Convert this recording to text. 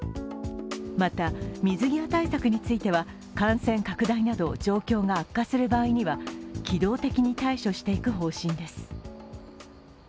また水際対策については、感染拡大など、状況が悪化する場合には機動的に対処していく方針です。